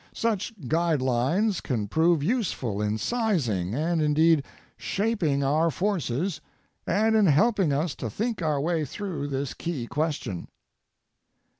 Such guidelines can prove useful in sizing and, indeed, shaping our forces and in helping us to think our way through this key question.